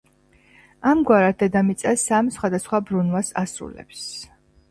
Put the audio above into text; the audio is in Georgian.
ამგვარად, დედამიწა სამ სხვადასხვა ბრუნვას ასრულებს